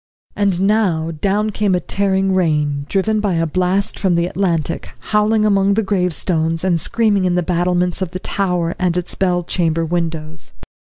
And now down came a tearing rain, driven by a blast from the Atlantic, howling among the gravestones, and screaming in the battlements of the tower and its bell chamber windows.